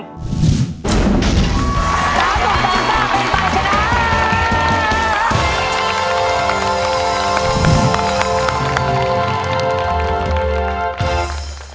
สามทีมที่ชนะเป็นใจชนะ